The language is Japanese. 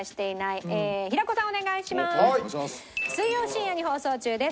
水曜深夜に放送中です。